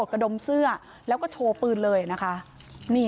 เชิงชู้สาวกับผอโรงเรียนคนนี้